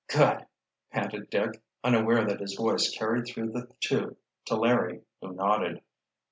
"Good!" panted Dick, unaware that his voice carried through the tube to Larry, who nodded.